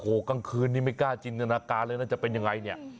โอ้โหกลางคืนนี้ไม่กล้าจินตนาการเลยนะจะเป็นยังไงเนี่ย